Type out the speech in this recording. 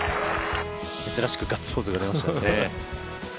珍しくガッツポーズが出ましたよね。